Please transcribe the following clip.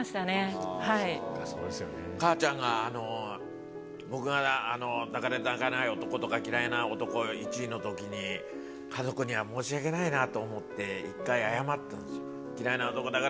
母ちゃんが僕が抱かれたくない男とか嫌いな男１位のときに家族には申し訳ないなと思って１回謝ったんですよ。